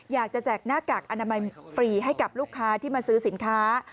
แจกหน้ากากอนามัยฟรีให้กับลูกค้าที่มาซื้อสินค้า